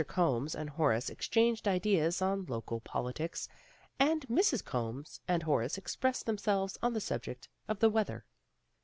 Combs and Horace exchanged ideas on local politics, and Mrs. Combs and Horace expressed them selves on the subject of the weather.